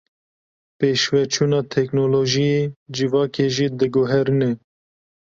Pêşveçûna teknolojiyê civakê jî diguherîne.